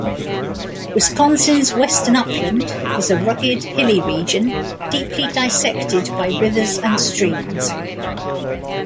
Wisconsin's Western Upland is a rugged, hilly region deeply dissected by rivers and streams.